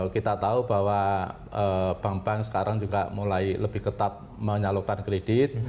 kita tahu bahwa bank bank sekarang juga mulai lebih ketat menyalurkan kredit